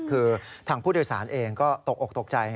คือทางผู้โดยสารเองก็ตกอกตกใจ